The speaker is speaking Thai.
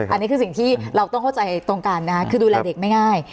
อันนี้คือสิ่งที่เราต้องเข้าใจตรงกันนะคะคือดูแลเด็กไม่ง่าย